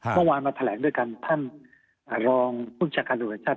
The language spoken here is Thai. เมื่อวานมาแถลงด้วยกันท่านรองคุณศักดิ์การโดยชาติ